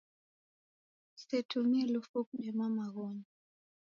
Kusetumie lufu kudema maghonyi